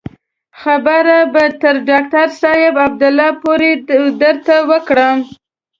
خبره به تر ډاکتر صاحب عبدالله پورې درته وکړم.